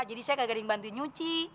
jadi saya kagak ada yang bantuin nyuci